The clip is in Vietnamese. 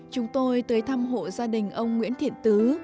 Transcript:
chúng tôi tới thăm hộ gia đình ông nguyễn thiện tứ